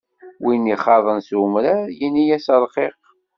Win ixaḍen s umrar, yini-as ṛqiq.